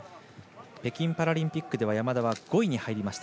北京パラリンピックでは山田は５位に入りました。